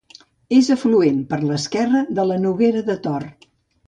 És afluent per l'esquerra de la Noguera de Tor.